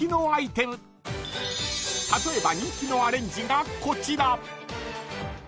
［例えば人気のアレンジがこちら］